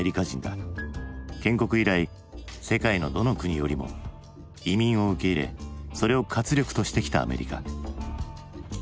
建国以来世界のどの国よりも移民を受け入れそれを活力としてきたアメリカ。